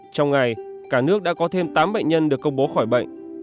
trong ngày cả nước đã có thêm tám bệnh nhân được công bố khỏi bệnh